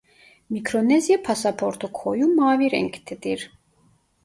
Mikronezya pasaportu koyu mavi renktedir.